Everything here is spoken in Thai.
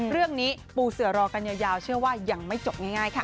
ปูเสือรอกันยาวเชื่อว่ายังไม่จบง่ายค่ะ